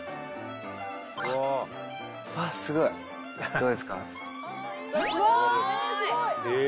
どうですか？